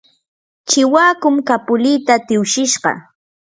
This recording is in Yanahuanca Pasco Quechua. chiwakum kapulita tiwshishqa.